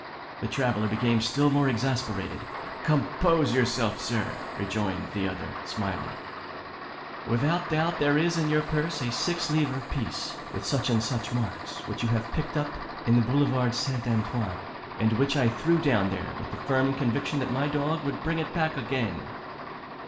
The traveller became still more exasperated. 'Compose yourself, sir,' rejoined the other, smiling; 'without doubt there is in your purse a six livre piece, with such and such marks, which you have picked up in the Boulevard St. Antoine, and which I threw down there with the firm conviction that my dog would bring it back again.